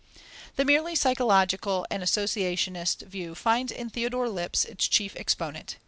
The merely psychological and associationist view finds in Theodore Lipps its chief exponent.